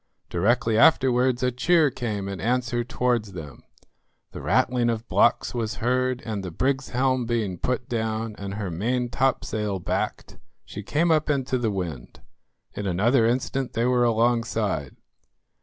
Directly afterwards a cheer came in answer towards them. The rattling of blocks was heard, and the brig's helm being put down, and her maintopsail backed, she came up into the wind. In another instant they were alongside.